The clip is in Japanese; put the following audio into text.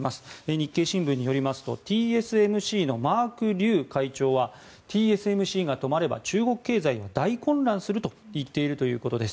日経新聞によりますとＴＳＭＣのマーク・リュウ会長はＴＳＭＣが止まれば中国経済は大混乱すると言っているということです。